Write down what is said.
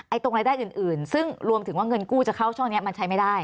ตรงรายได้อื่นซึ่งรวมถึงว่าเงินกู้จะเข้าช่องนี้มันใช้ไม่ได้